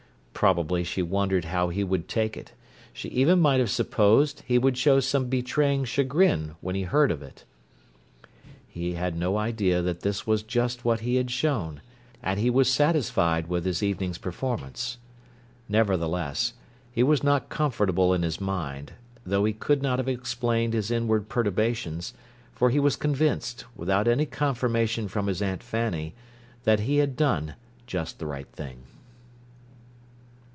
Probably she wondered how he would take it; she even might have supposed he would show some betraying chagrin when he heard of it. He had no idea that this was just what he had shown; and he was satisfied with his evening's performance. Nevertheless, he was not comfortable in his mind; though he could not have explained his inward perturbations, for he was convinced, without any confirmation from his Aunt Fanny, that he had done "just the right thing."